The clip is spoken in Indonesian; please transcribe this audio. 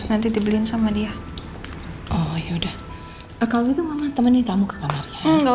nanti dibeliin sama dia oh ya udah kalau gitu mama temenin kamu ke kamarnya nggak